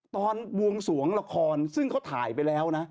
บวงสวงละครซึ่งเขาถ่ายไปแล้วนะ